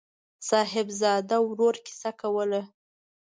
صاحبزاده ورور کیسه کوله.